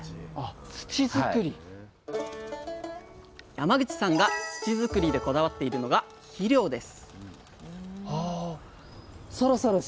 山口さんが土作りでこだわっているのが肥料です